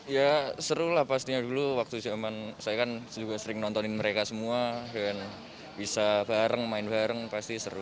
ya seru lah pastinya dulu waktu zaman saya kan juga sering nontonin mereka semua dan bisa bareng main bareng pasti seru